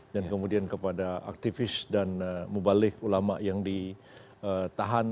dan kemudian kepada aktivis dan mubalik ulama yang ditahan